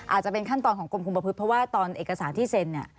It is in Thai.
อาจจะเป็นขั้นตอนของกรมคุมประพฤติเพราะว่าตอนเอกสารที่เซ็นเนี่ย